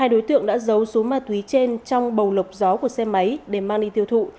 hai đối tượng đã giấu số ma túy trên trong bầu lộc gió của xe máy để mang đi tiêu thụ